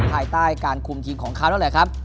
ภายใต้การคุมทีมของเขานั่นแหละครับ